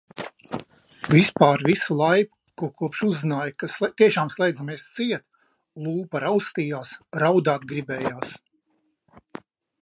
Vispār visu laiku kopš uzzināju, ka tiešām slēdzam ciet, lūpa raustījās, raudāt gribējās.